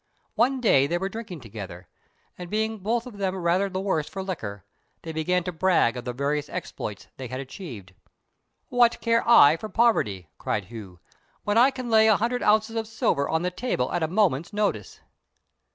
One day they were drinking together, and being both of them rather the worse for liquor, they began to brag of the various exploits they had achieved. "What care I for poverty," cried Hu, "when I can lay a hundred ounces of silver on the table at a moment's notice?"